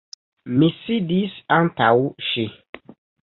Mi sidis antaŭ ŝi.